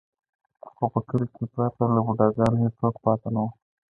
خو په کلي کې پرته له بوډا ګانو هېڅوک پاتې نه و.